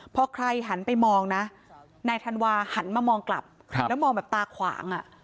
พอใครหันไปมองนะนายธันวาหันมามองกลับแล้วมองแบบตาขวาง